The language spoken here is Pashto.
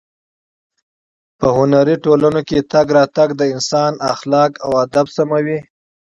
په هنري ټولنو کې تګ راتګ د انسان اخلاق او ادب سموي.